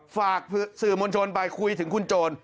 ฝากสื่อมวลชนไปคุยถึงคุณโจร